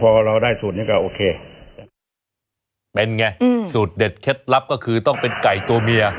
พอเราได้สูตรนี้ก็โอเคเป็นไงสูตรเด็ดเคล็ดลับก็คือต้องเป็นไก่ตัวเมีย